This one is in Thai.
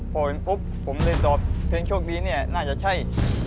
พอเห็นปุ๊บผมเลยตอบเพลงโชคดีเนี่ยน่าจะใช่